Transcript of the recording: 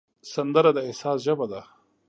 سندره د احساس ژبه ده